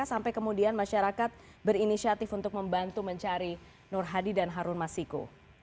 sampai kemudian masyarakat berinisiatif untuk membantu mencari nur hadi dan harun masiku